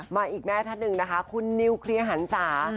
อีกแม่ท่านหนึ่งนะคะคุณนิวเคลียร์หันศา